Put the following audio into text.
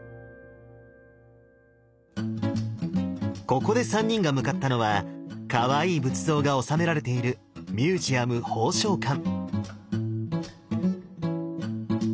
ここで三人が向かったのはかわいい仏像が収められているミュージアム鳳翔館。